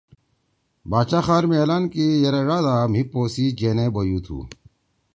باچا خار می اعلان کی یرأ ڙادا مھی پو سی جینے بیُوتُھو۔